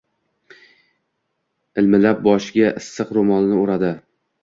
imillab boshiga issiq roʻmolini oʻradi.